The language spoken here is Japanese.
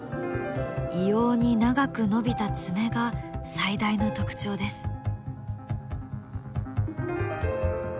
異様に長く伸びた爪が最大の特徴です。